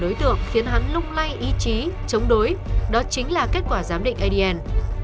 đối tượng khiến hắn lung lay ý chí chống đối đó chính là kết quả giám định adn